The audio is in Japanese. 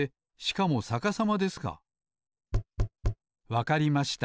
わかりました。